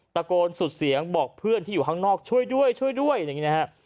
ตะโกนสุดเสียงบอกเพื่อนที่อยู่ข้างนอกช่วยด้วยช่วยด้วยอย่างนี้นะฮะ